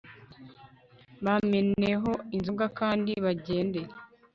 Bameneho inzoga kandi bagende